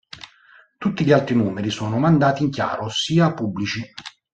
Tutti gli altri numeri sono mandati in chiaro, ossia pubblici.